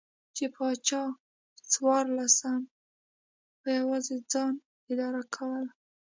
چې پاچا څوارلسم په یوازې ځان اداره کوله.